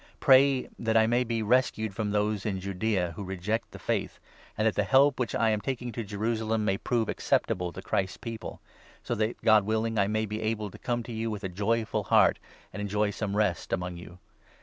Pray that I may be rescued from those in 31 Judaea who reject the Faith, and that the help which I am taking to Jerusalem may prove acceptable to Christ's People ; so that, God willing, I may be able to come to you with a joyful 32 heart, and enjoy some rest among you.